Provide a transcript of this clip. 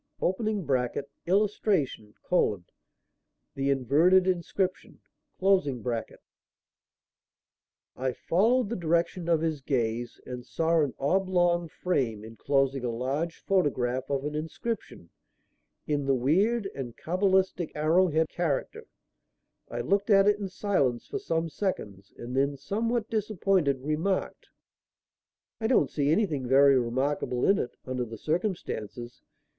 [Illustration: THE INVERTED INSCRIPTION.] I followed the direction of his gaze and saw an oblong frame enclosing a large photograph of an inscription in the weird and cabalistic arrow head character. I looked at it in silence for some seconds and then, somewhat disappointed, remarked: "I don't see anything very remarkable in it, under the circumstances.